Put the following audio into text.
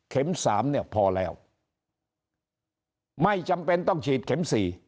สามเนี่ยพอแล้วไม่จำเป็นต้องฉีดเข็มสี่